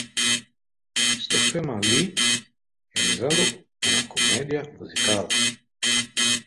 Christophe Mali realizando una comedia musical.